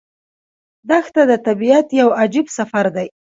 دښته د طبیعت یو عجیب سفر دی.